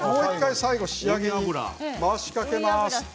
仕上げに回しかけます。